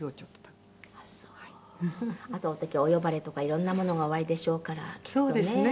あとの時お呼ばれとか色んなものがおありでしょうからきっとね。